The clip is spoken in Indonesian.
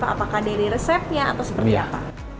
apakah dari resepnya atau seperti apa